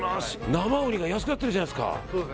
生ウニが安くなってるじゃないですか。